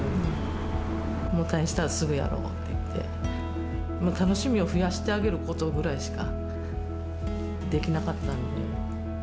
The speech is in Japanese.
もう退院したらすぐやろうって言って、楽しみを増やしてあげることぐらいしかできなかったんで。